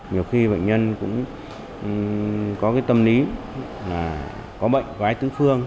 nhiều khi bệnh nhân cũng có cái tâm lý là có bệnh có ai tứ phương